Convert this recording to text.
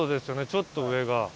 ちょっと上が。